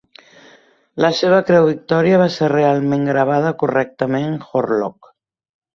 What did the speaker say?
La seva Creu Victoria va ser realment gravada correctament Horlock.